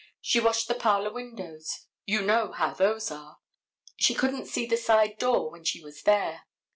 She washed the parlor windows. You know how those are. She couldn't see the side door when she was there.